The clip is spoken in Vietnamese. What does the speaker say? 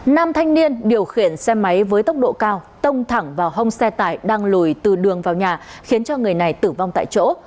nam thanh niên điều khiển xe máy với tốc độ cao tông thẳng vào hông xe tải đang lùi từ đường vào nhà khiến cho người này tử vong tại chỗ